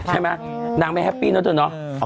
ใช่มะนางไม่แฮปปี้ก็จริงน่ะ